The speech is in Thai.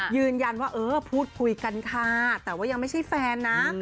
ยืนยันว่าเออพูดคุยกันค่ะแต่ว่ายังไม่ใช่แฟนนะ